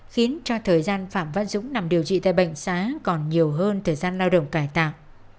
khiến cho thời gian phạm văn dũng nằm điều trị tại bệnh xá còn nhiều hơn thời gian lao động cải tạo